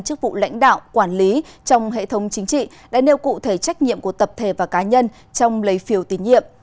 chức vụ lãnh đạo quản lý trong hệ thống chính trị đã nêu cụ thể trách nhiệm của tập thể và cá nhân trong lấy phiếu tín nhiệm